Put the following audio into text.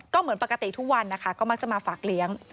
ก็เหมือนปกติทุกวันนะคะก็มักจะมาฝากเลี้ยง